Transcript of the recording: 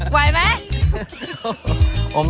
ไหวไหม